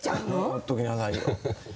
ほっときなさいよ。